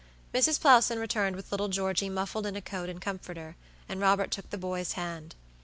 Mrs. Plowson returned with little Georgey muffled in a coat and comforter, and Robert took the boy's hand.